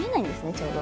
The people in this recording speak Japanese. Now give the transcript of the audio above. ちょうど。